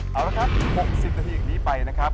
เอาละครับ๖๐นาทีอย่างนี้ไปนะครับ